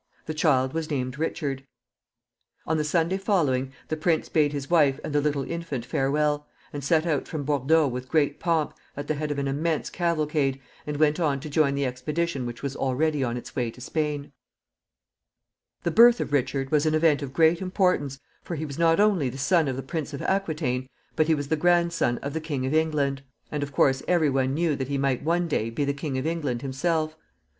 The child was named Richard. On the Sunday following the prince bade his wife and the little infant farewell, and set out from Bordeaux with great pomp, at the head of an immense cavalcade, and went on to join the expedition which was already on its way to Spain. [Illustration: RICHARD RECEIVING THE VISIT OF HIS UNCLE JOHN.] The birth of Richard was an event of great importance, for he was not only the son of the Prince of Aquitaine, but he was the grandson of the King of England, and, of course, every one knew that he might one day be the King of England himself.